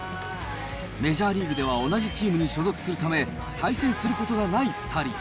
メジャーリーグでは同じチームに所属するため、対戦することがない２人。